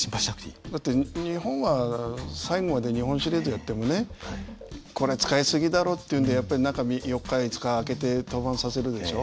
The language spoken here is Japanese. だって日本は最後まで日本シリーズやってもねこれ使い過ぎだろうというんでやっぱり中４日５日あけて登板させるでしょ。